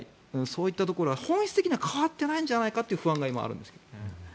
そういったところは本質的には変わってないんじゃないかという不安が今、あるんですけどね。